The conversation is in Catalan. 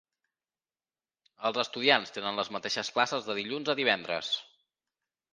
Els estudiants tenen les mateixes classes de dilluns a divendres.